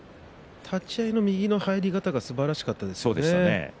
右のかいなの入り方がすばらしかったですね。